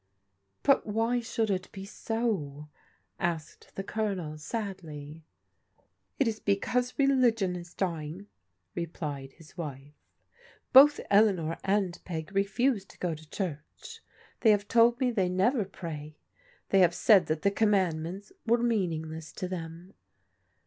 " But why should it be so ?" asked the Colonel sadly. "It is because religion is dying," replied his wife. *'Both Eleanor and Peg refuse to go to church. They have told me they never pray; they have said that the Commandments were meaningless to them."